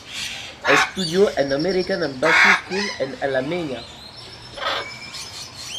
Estudió en "American Embassy School" en Alemania.